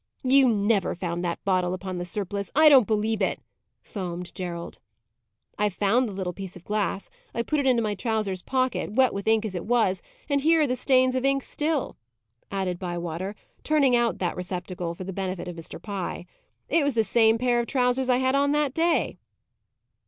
"You never found that bottle upon the surplice! I don't believe it!" foamed Gerald. "I found the little piece of glass. I put it into my trousers pocket, wet with ink as it was, and here are the stains of ink still," added Bywater, turning out that receptacle for the benefit of Mr. Pye. "It was this same pair of trousers I had on that day."